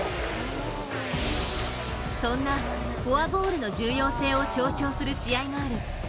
そんなフォアボールの重要性を象徴する試合がある。